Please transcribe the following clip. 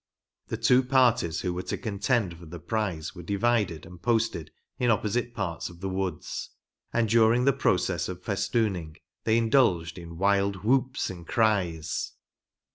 The two parties who were to contend for the prize were divided, and posted in opposite parts of the woods, and during the process of festooning they indulged in wild whoops and cries.